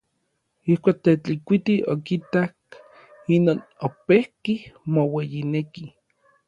Ijkuak Tetlikuiti okitak inon, opejki moueyineki.